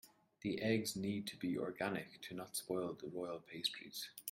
The eggs need to be organic to not spoil the royal pastries.